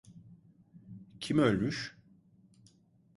Kim ölmüş?